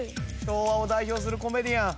昭和を代表するコメディアン。